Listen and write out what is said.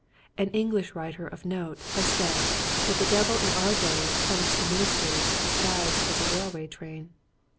An English writer of note has said that the Devil in our day comes to ministers disguised as a railway train.